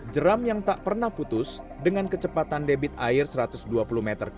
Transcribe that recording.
jeram yang tak pernah putus dengan kecepatan debit air satu ratus dua puluh meter